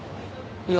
いや。